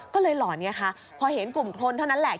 ก็เลยหล่อนี้ค่ะพอเห็นกลุ่มคนเท่านั้นแหละ